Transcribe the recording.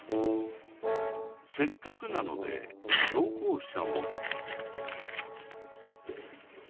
せっかくなので投稿者も。